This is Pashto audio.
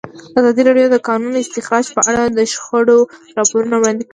ازادي راډیو د د کانونو استخراج په اړه د شخړو راپورونه وړاندې کړي.